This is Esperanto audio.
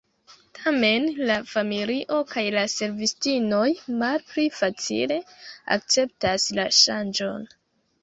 Tamen, la familio kaj la servistinoj malpli facile akceptas la ŝanĝon.